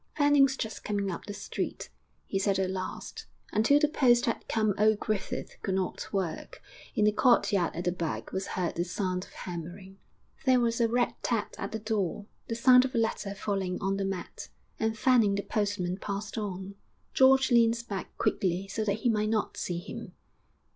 'Fanning's just coming up the street,' he said at last. Until the post had come old Griffith could not work; in the courtyard at the back was heard the sound of hammering. There was a rat tat at the door, the sound of a letter falling on the mat, and Fanning the postman passed on. George leaned back quickly so that he might not see him.